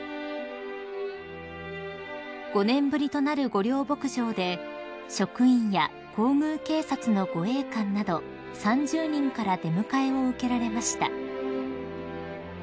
［５年ぶりとなる御料牧場で職員や皇宮警察の護衛官など３０人から出迎えを受けられました］